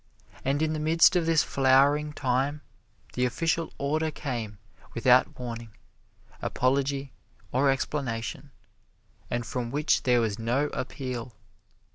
And in the midst of this flowering time, the official order came, without warning, apology or explanation, and from which there was no appeal.